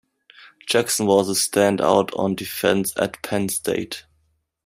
Jackson was a standout on defense at Penn State.